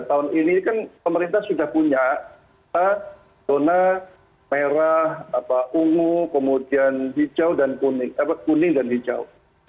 tahun ini kan pemerintah sudah punya zona merah ungu kemudian kuning dan hijau